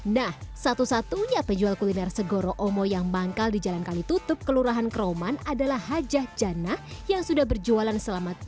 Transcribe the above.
nah satu satunya penjual kuliner segoro omo yang manggal di jalan kali tutup kelurahan kroman adalah hajah jana yang sudah berjualan selama tiga tahun